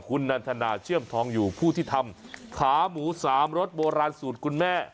คุณนันทนาเชื่อมทองอยู่ผู้ที่ทำขาหมูสามรสโบราณสูตรคุณแม่